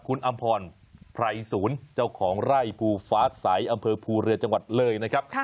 คุณอำพรไพรศูนย์เจ้าของไร่ภูฟ้าใสอำเภอภูเรือจังหวัดเลยนะครับ